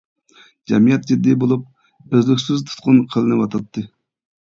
جەمئىيەت جىددىي بولۇپ، ئۈزلۈكسىز تۇتقۇن قىلىنىۋاتاتتى.